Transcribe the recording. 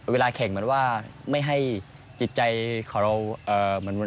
เวลาแข่งมันว่าไม่ให้จิตใจของเรา